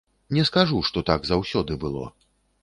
Не скажу што, так заўсёды было.